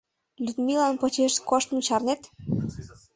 — Людмилан почеш коштмым чарнет?